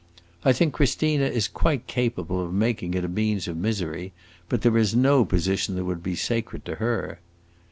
I think Christina is quite capable of making it a means of misery; but there is no position that would be sacred to her.